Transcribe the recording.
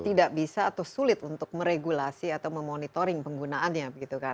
tidak bisa atau sulit untuk meregulasi atau memonitoring penggunaannya